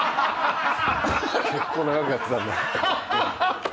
結構長くやってたんだ。